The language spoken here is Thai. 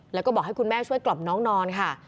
แล้วก็บอกให้คุณแม่ช่วยกล่อมน้องนอนค่ะ